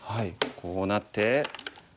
こうなって。